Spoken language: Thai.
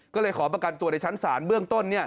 ก็เลยขอประกันตัวในชั้นศาลเบื้องต้น